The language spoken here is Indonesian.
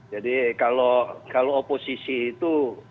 jadi kalau oposisi itu